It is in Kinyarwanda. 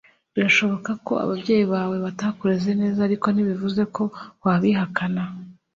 Birashoboka ko ababyeyi bawe batakureze neza ariko ntibivuze ko wabihakana